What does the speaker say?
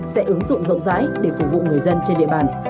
sẽ ứng dụng rộng rãi để phục vụ người dân trên địa bàn